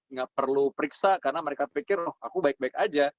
nggak perlu periksa karena mereka pikir oh aku baik baik aja